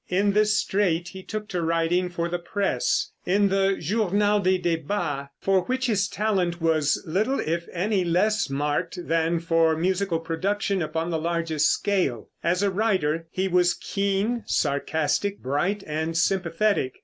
In this strait he took to writing for the press, in the Journal des Débats, for which his talent was little, if any, less marked than for musical production upon the largest scale. As a writer, he was keen, sarcastic, bright and sympathetic.